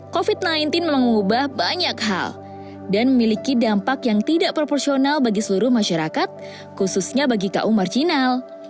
covid sembilan belas mengubah banyak hal dan memiliki dampak yang tidak proporsional bagi seluruh masyarakat khususnya bagi kaum marginal